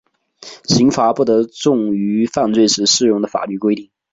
刑罚不得重于犯罪时适用的法律规定。